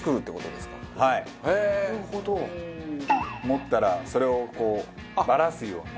持ったらそれをこうばらすように。